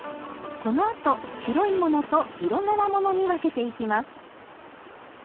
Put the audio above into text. このあと白い物と色柄物に分けていきます。